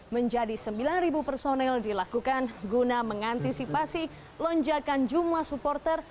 menjadi sembilan personel dilakukan guna mengantisipasi lonjakan jumlah supporter